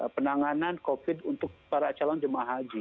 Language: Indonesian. penanganan covid untuk para calon jemaah haji